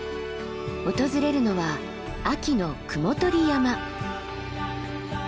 訪れるのは秋の雲取山。